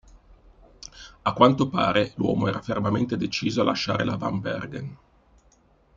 A quanto pare, l'uomo era fermamente deciso a lasciare la Van Bergen.